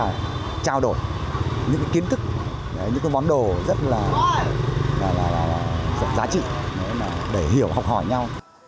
đó là trao đổi những cái kiến thức những cái món đồ rất là giá trị để hiểu học hỏi nhau